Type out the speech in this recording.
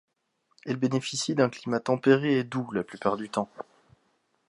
Elle bénéficie d'un climat tempéré et doux la plupart du temps.